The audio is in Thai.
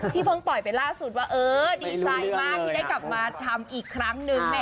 เพิ่งปล่อยไปล่าสุดว่าเออดีใจมากที่ได้กลับมาทำอีกครั้งนึง